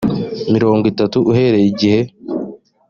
mirongo itatu uhereye igihe